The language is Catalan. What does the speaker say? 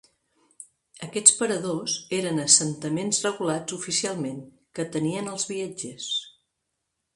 Aquests paradors eren assentaments regulats oficialment que atenien els viatgers.